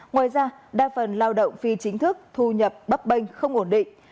ngoài ra đa phần lao động phi chính thức thu nhập bấp bênh không ổn định